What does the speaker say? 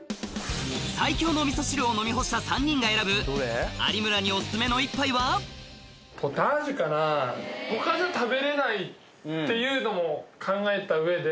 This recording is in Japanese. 最強のみそ汁を飲み干した３人が選ぶ有村にオススメの１杯はっていうのも考えた上で。